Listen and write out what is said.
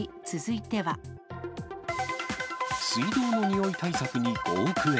水道の臭い対策に５億円。